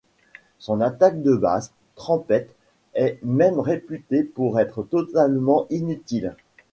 Son attaque de base, trempette, est même réputée pour être totalement inutile.